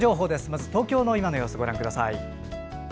まず東京の今の様子ご覧ください。